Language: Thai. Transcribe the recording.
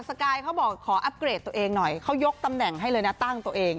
สกายเขาบอกขออัปเกรดตัวเองหน่อยเขายกตำแหน่งให้เลยนะตั้งตัวเอง